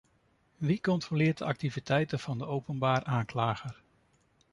Wie controleert de activiteiten van de openbaar aanklager?